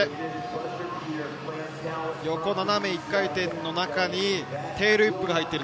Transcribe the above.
そして横斜め１回転の中にテールウィップが入っている。